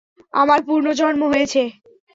আমার পুনর্জন্ম হয়েছে!